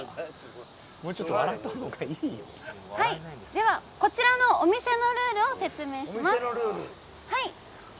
では、こちらのお店のルールを説明します。